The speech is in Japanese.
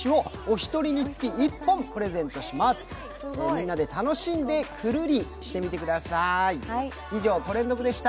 みんなで楽しんで、くるしてみてください。